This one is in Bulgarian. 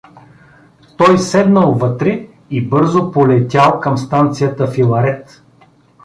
Той седнал вътре и бързо полетял към станцията „Филарет“.